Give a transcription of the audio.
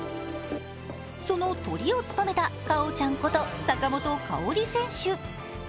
そのトリを務めたかおちゃんこと坂本花織選手。